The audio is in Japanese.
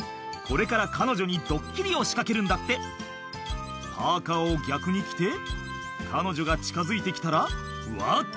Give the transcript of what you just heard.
これから彼女にドッキリを仕掛けるんだってパーカを逆に着て彼女が近づいて来たらわっ！